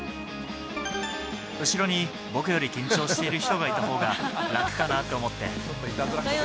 後ろに僕より緊張している人がいたほうが楽かなと思って。